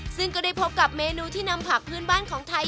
ซึ่งก็ได้พบกับเมนูที่นำผักพื้นบ้านของไทย